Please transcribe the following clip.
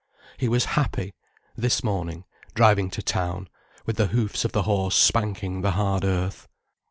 He was happy, this morning, driving to town, with the hoofs of the horse spanking the hard earth.